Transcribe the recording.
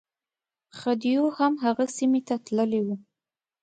خدیو هم هغې سیمې ته تللی و.